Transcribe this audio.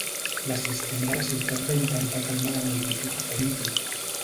L'Assistent de la ciutat va intentar calmar la multitud oferint vi.